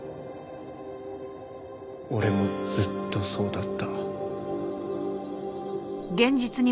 俺もずっとそうだった。